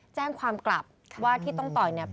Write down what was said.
แจ้งความกลับว่าที่ต้องต่อยเนี่ย